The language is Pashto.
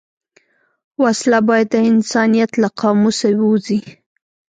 وسله باید د انسانیت له قاموسه ووځي